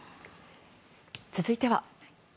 続いては。